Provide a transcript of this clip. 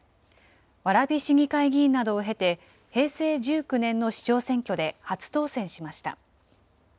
蕨市議会議員などを経て、平成１９年の市長選挙で初当選しました。